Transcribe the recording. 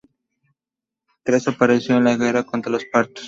Craso pereció en la guerra contra los partos.